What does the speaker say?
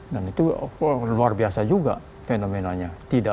dan itu luar biasa juga fenomenalnya